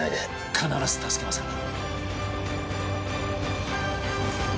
必ず助けますから。